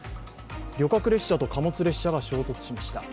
旅客列車と貨物列車が衝突しました。